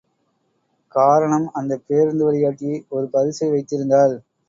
காரணம் அந்தப் பேருந்து வழிகாட்டி ஒரு பரிசை வைத்திருந்தாள்.